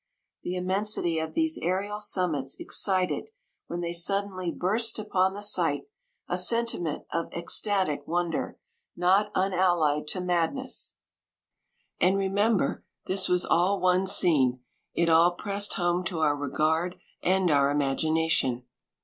The immen sity of these aerial summits excited, when they suddenly burst upon the 152 sight, a sentiment of extatic wonder, not unallied to madness. And remem ber this was all one scene, it all pressed home to our regard and our imagina tion.